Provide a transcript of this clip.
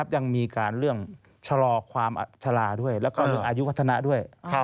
ยังมีการเรื่องชะลอความชะลาด้วยแล้วก็เรื่องอายุวัฒนะด้วย